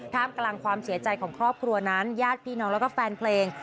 กลางความเสียใจของครอบครัวนั้นญาติพี่น้องแล้วก็แฟนเพลง